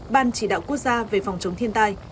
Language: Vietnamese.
ban chỉ đạo quốc gia về phòng chống thiên tai